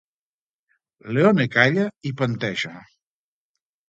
Leone calla i panteixa.